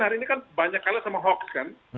hari ini kan banyak kalah sama hoax kan